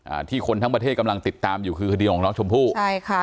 อ่าที่คนทั้งประเทศกำลังติดตามอยู่คือคดีของน้องชมพู่ใช่ค่ะ